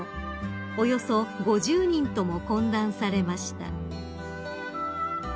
およそ５０人とも懇談されました］